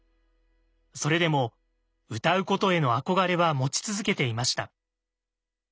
それでも歌うことへの憧れは持ち続けていました。